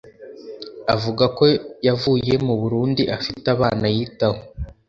avuga ko yavuye mu Burundi afite abana yitaho